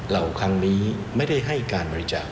ครั้งนี้ไม่ได้ให้การบริจาค